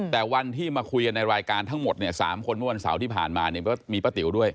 แต่วันที่มาคุยกันในรายการทั้งหมดเนี่ย๓คนเมื่อวันเสาร์ที่ผ่านมาเนี่ยก็มีป้าติ๋วด้วย